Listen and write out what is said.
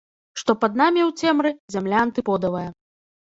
Што пад намі ў цемры зямля антыподавая.